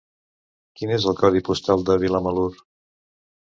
Quin és el codi postal de Vilamalur?